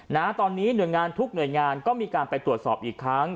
นะฮะตอนนี้หน่วยงานทุกหน่วยงานก็มีการไปตรวจสอบอีกครั้ง